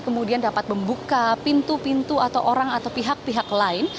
kemudian dapat membuka pintu pintu atau orang atau pihak pihak lain